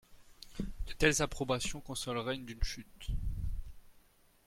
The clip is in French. De telles approbations consoleraient d’une chute.